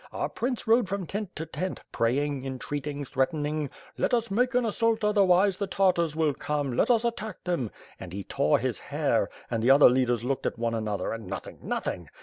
Our prince rode from tent to tent, praying, entreating, threat ening, 'Let us make an assault otherwise the Tartars will come, let us atock them' — and he tore his hair — and the other leaders looked at one another, and nothing, nothing!